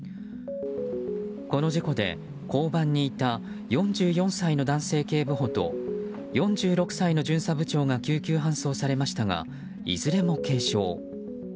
この事故で、交番にいた４４歳の男性警部補と４６歳の巡査部長が救急搬送されましたがいずれも軽傷。